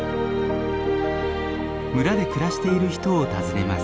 村で暮らしている人を訪ねます。